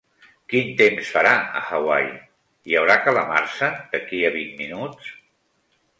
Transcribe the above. Quin temps farà a Hawaii? Hi haurà calamarsa d'aquí a vint minuts?